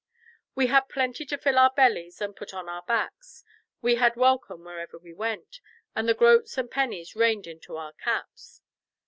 We had plenty to fill our bellies and put on our backs; we had welcome wherever we went, and the groats and pennies rained into our caps.